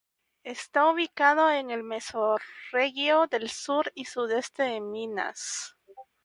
Está ubicado en la Mesorregión del Sur y Sudoeste de Minas.